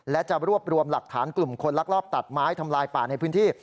และจะรวบรวมหลักฐานกลุ่มคนลักลอบตัดไม้ทำลายป่าในพื้นที่